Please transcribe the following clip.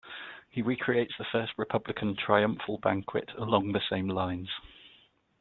He recreates the first Republican triumphal banquet along the same lines.